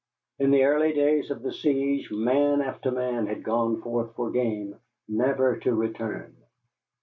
In the early days of the siege man after man had gone forth for game, never to return.